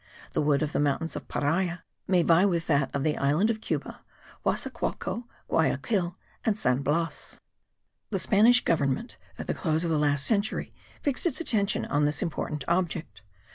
The wood of the mountains of Paria may vie with that of the island of Cuba, Huasacualco, Guayaquil and San Blas. The Spanish Government at the close of the last century fixed its attention on this important object.